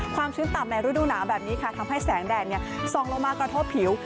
ชื้นต่ำในฤดูหนาวแบบนี้ค่ะทำให้แสงแดดส่องลงมากระทบผิว